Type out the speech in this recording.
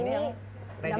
ini yang ready to eat